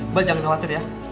mbak jangan khawatir ya